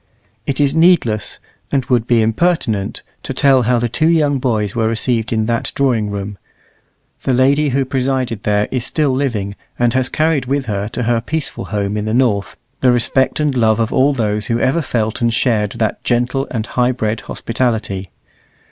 It is needless, and would be impertinent, to tell how the two young boys were received in that drawing room. The lady who presided there is still living, and has carried with her to her peaceful home in the north the respect and love of all those who ever felt and shared that gentle and high bred hospitality.